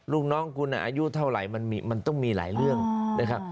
ลูกน้องกูน่ะอายุเท่าไหร่มันมีมันต้องมีหลายเรื่องอ๋อเลยครับ